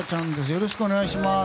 よろしくお願いします。